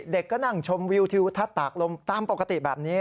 เด็กก็นั่งชมวิวทิวทัศน์ตากลมตามปกติแบบนี้